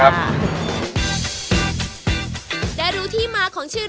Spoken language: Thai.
ประกาศรายชื่อพศ๒๕๖๑